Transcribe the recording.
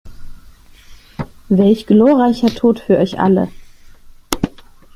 Welch gloreicher Tot für euch alle!